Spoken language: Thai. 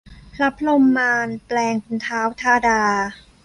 พระพรหมานแปลงเป็นท้าวธาดา